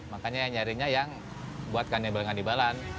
makanya nyarinya yang buat kandungan di balan